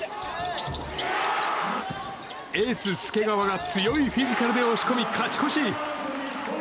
エース、介川が強いフィジカルで押し込み勝ち越し！